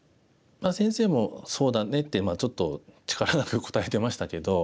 先生も「そうだね」ってちょっと力なく答えてましたけど。